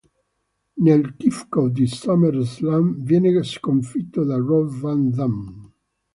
Nel kickoff di SummerSlam viene sconfitto da Rob Van Dam.